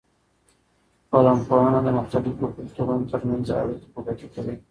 ټولنپوهنه د مختلفو کلتورونو ترمنځ اړیکې په ګوته کوي.